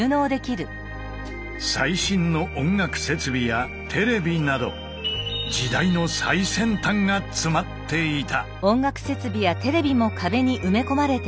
最新の音楽設備やテレビなど時代の最先端が詰まっていた。